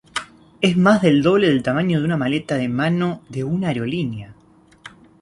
Es más del doble del tamaño de una maleta de mano de una aerolínea.